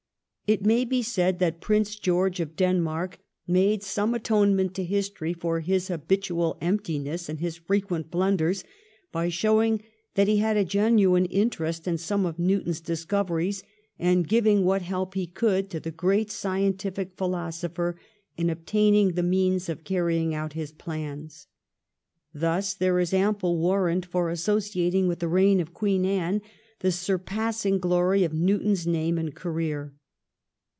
It may be added that Prince George of Denmark made some atonement to history for his habitual emptiness and his frequent blunders by showing that he had a genuine interest in some of Newton's discoveries, and giving what help he could to the great scientific philosopher in obtaining the means of carrying out his plans. Thus there is ample warrant for associating with the reign of Queen Anne the surpassing glory of Newton's name and career.